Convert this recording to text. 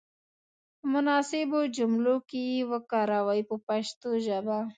په مناسبو جملو کې یې وکاروئ په پښتو ژبه.